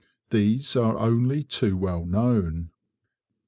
These are only too well known.